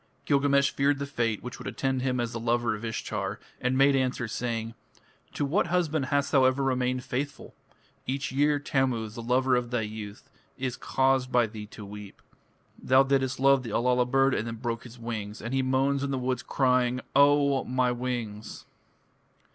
Gilgamesh feared the fate which would attend him as the lover of Ishtar, and made answer saying: "To what husband hast thou ever remained faithful? Each year Tammuz, the lover of thy youth, is caused by thee to weep. Thou didst love the Allala bird and then broke his wings, and he moans in the woods crying, 'O my wings!'